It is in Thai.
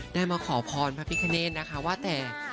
ได้มาขอพรพระพิคเนธนะคะว่าแต่